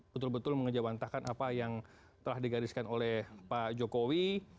betul betul mengejawantakan apa yang telah digariskan oleh pak jokowi